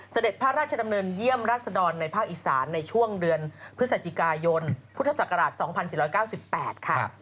เสด็จพระราชดำเนินเยี่ยมรัศดรในภาคอีสานในช่วงเดือนพฤศจิกายนพุทธศักราช๒๔๙๘ค่ะ